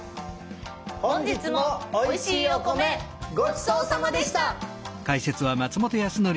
本日もおいしいお米ごちそうさまでした。